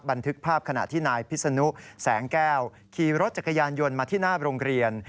บันทึกภาพขณะที่นายพิษนุแสงแก้วขี่รถจักรยานยนต์มาที่หน้าโรงเรียน